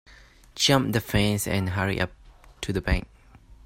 Jump the fence and hurry up the bank.